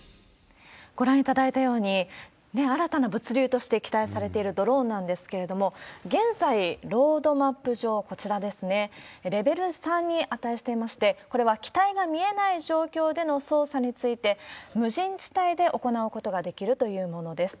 ご覧いただいたように、新たな物流として期待されているドローンなんですけれども、現在、ロードマップ上、こちらですね、レベル３に値していまして、これは機体が見えない状況での操作について、無人地帯で行うことができるというものです。